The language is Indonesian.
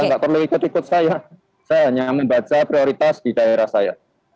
tidak perlu ikut ikut saya saya hanya membaca prioritas di daerah saya